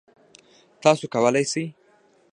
تاسو کولی شئ